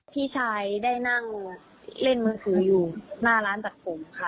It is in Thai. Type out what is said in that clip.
พี่ชายได้นั่งเล่นมือถืออยู่หน้าร้านตัดผมค่ะ